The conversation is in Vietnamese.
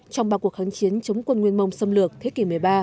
trong ba cuộc kháng chiến chống quân nguyên mông xâm lược thế kỷ một mươi ba